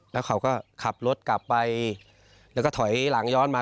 แล้วเขาก็ขับรถกลับไปแล้วก็ถอยหลังย้อนมา